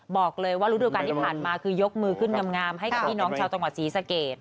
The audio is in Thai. บอกเลยว่าฤดูการที่ผ่านมาคือยกมือขึ้นงามให้กับพี่น้องชาวจังหวัดศรีสะเกด